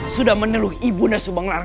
sudah meneluh ibu ndako subanglar